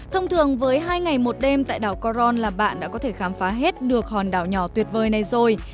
thông thường với hai ngày một đêm tại đảo caron là bạn đã có thể khám phá hết được hòn đảo nhỏ tuyệt vời này rồi